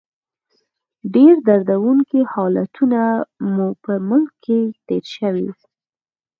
ډېر دردونکي حالتونه مو په ملک کې تېر شوي.